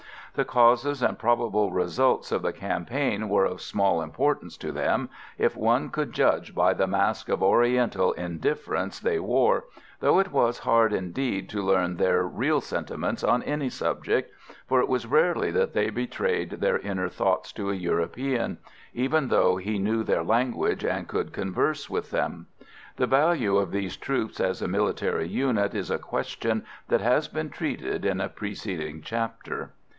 The causes and probable results of the campaign were of small importance to them, if one could judge by the mask of Oriental indifference they wore, though it was hard indeed to learn their real sentiments on any subject, for it was rarely that they betrayed their inner thoughts to a European, even though he knew their language and could converse with them. The value of these troops as a military unit is a question that has been treated in a preceding chapter.